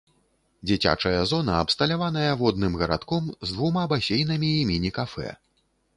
Дзіцячая зона абсталяваная водным гарадком з двума басейнамі і міні-кафэ.